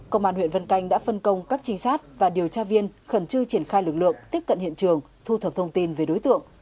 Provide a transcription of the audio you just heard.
công an huyện vân canh đã phân công các trinh sát và điều tra viên khẩn trương triển khai lực lượng tiếp cận hiện trường thu thập thông tin về đối tượng